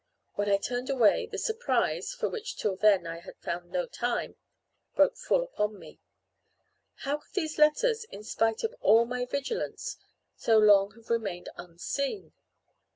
When I turned away, the surprise, for which till then I had found no time, broke full upon me. How could these letters, in spite of all my vigilance, so long have remained unseen?